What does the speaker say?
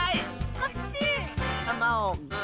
コッシー！